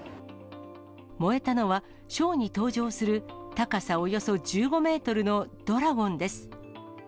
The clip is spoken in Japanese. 燃えたのは、ショーに登場する高さおよそ１５メートルのドラゴンです。